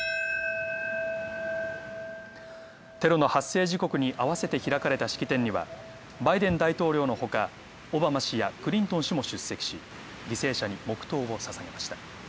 テロの発生時刻に合わせて開かれた式典にはバイデン大統領のほか、オバマ氏やクリントン氏も出席し、犠牲者に黙とうをささげました。